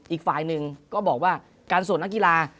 อีกฝ่ายหนึ่งก็บอกว่าการสวดนักกีฬา